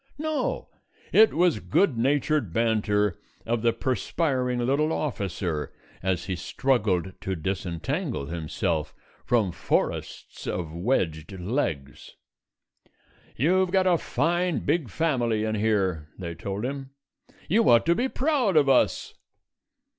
No, it was good natured banter of the perspiring little officer as he struggled to disentangle himself from forests of wedged legs. "You've got a fine, big family in here," they told him: "you ought to be proud of us."